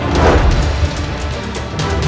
atau banyu maruta